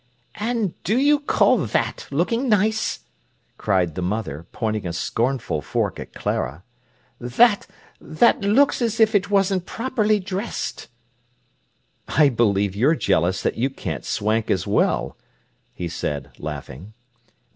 "And do you call that looking nice!" cried the mother, pointing a scornful fork at Clara. "That—that looks as if it wasn't properly dressed!" "I believe you're jealous that you can't swank as well," he said laughing.